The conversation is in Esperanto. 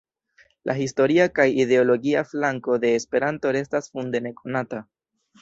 La historia kaj ideologia flanko de Esperanto restas funde nekonata.